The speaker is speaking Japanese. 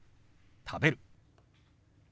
「食べる」。